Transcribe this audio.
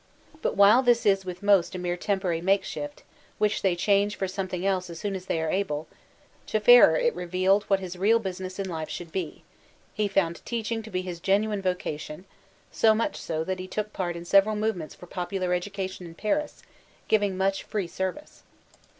But while this is with most a mere temporary makeshift, which they change for something else as soon as they are able, to Ferrer it revealed what his real busi* ness in life should be ; he found teaching to be his genuine vocation ; so much so that he took part in several move ments for popular education in P^ris, giving much free service.